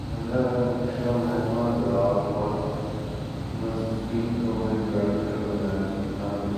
آئندہ کا نقشہ محکمہ زراعت اورمنصفین کو مل بیٹھ کر بنانا چاہیے